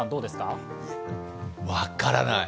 分からない。